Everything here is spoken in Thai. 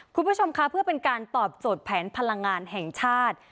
คุณผู้ชมคะเพื่อเป็นการตอบโจทย์แผนพลังงานแห่งชาติ